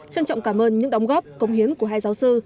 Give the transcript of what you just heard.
trân trọng cảm ơn những đóng góp công hiến của hai giáo sư